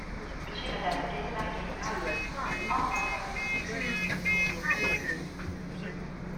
Monsieur et Madame Galimard Galimard , entre en appelant.